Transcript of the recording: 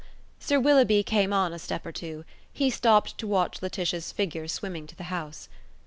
Sir Willoughby came on a step or two. He stopped to watch Laetitia's figure swimming to the house.